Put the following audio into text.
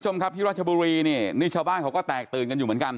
คุณผู้ชมครับที่รัชบุรีนี่นี่ชาวบ้านเขาก็แตกตื่นกันอยู่เหมือนกัน